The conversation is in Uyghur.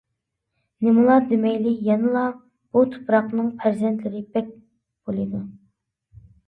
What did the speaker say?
-نېمىلا دېمەيلى يەنىلا بۇ تۇپراقنىڭ پەرزەنتلىرى بەك بولىدۇ.